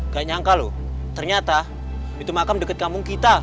gak nyangka loh ternyata itu makam dekat kampung kita